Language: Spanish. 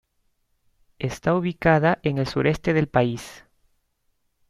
Está ubicada en el sureste del país.